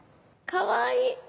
かわいい！